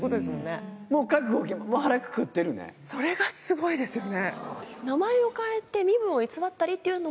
それがすごいですよね。